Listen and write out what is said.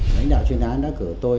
mãnh đạo chuyên án đã cử tôi